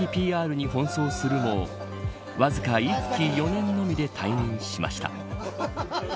にほん走するもわずか１期４年のみで退任しました。